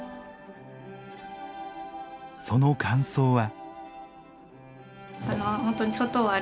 その感想は。